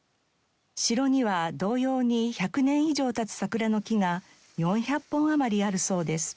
城には同様に１００年以上経つ桜の木が４００本余りあるそうです。